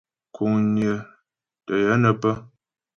Kuŋnyə tə́ yə nə́ pə́.